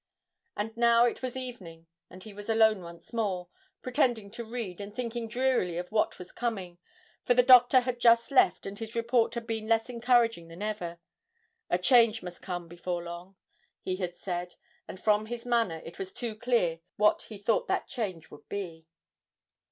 And now it was evening, and he was alone once more, pretending to read, and thinking drearily of what was coming; for the doctor had just left, and his report had been less encouraging than ever a change must come before long, he had said, and from his manner it was too clear what he thought that change would be.